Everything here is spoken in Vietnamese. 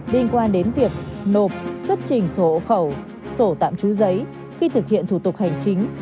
liên quan đến việc nộp xuất trình sổ khẩu sổ tạm trú giấy khi thực hiện thủ tục hành chính